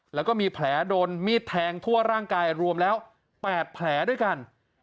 แล้วก็มีแผลโดนมีดแทงทั่วร่างกายรวมแล้ว๘แผลด้วยกัน